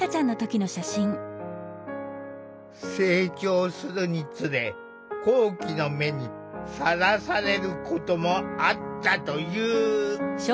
成長するにつれ好奇の目にさらされることもあったという。